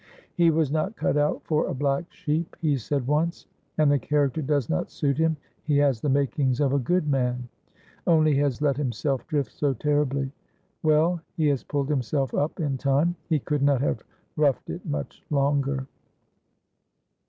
"He was not cut out for a black sheep," he said once, "and the character does not suit him. He has the makings of a good man, only he has let himself drift so terribly. Well, he has pulled himself up in time. He could not have roughed it much longer."